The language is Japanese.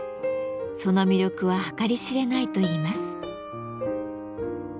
その魅力は計り知れないといいます。